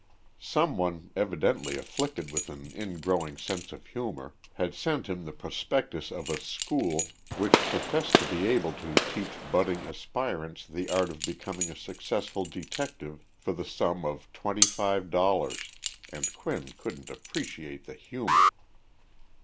Some one, evidently afflicted with an ingrowing sense of humor, had sent him the prospectus of a "school" which professed to be able to teach budding aspirants the art of becoming a successful detective for the sum of twenty five dollars, and Quinn couldn't appreciate the humor.